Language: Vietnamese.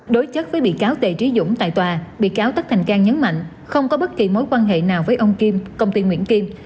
đối chất với bị cáo tề trí dũng tại tòa bị cáo tất thành cang nhấn mạnh không có bất kỳ mối quan hệ nào với ông kim công ty nguyễn kim